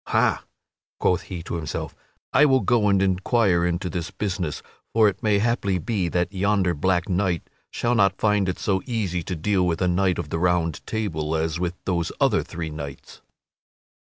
"Ha," quoth he to himself, "I will go and inquire into this business, for it may haply be that yonder black knight shall not find it to be so easy to deal with a knight of the Round Table as with those other three knights."